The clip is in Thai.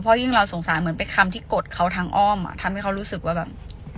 เพราะยิ่งเราสงสารเหมือนเป็นคำที่กดเขาทางอ้อมอ่ะทำให้เขารู้สึกว่าแบบ